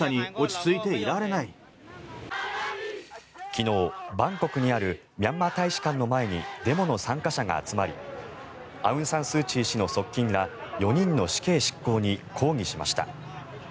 昨日、バンコクにあるミャンマー大使館の前にデモの参加者が集まりアウンサンスーチー氏の側近ら４人の死刑執行に抗議しました。